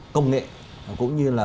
công nghệ cũng như là